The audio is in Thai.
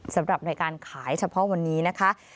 สำหรับในการขายเฉพาะวันนี้นะคะ